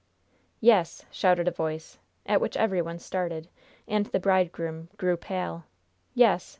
'" "Yes!" shouted a voice, at which every one started, and the bridegroom grew pale. "Yes!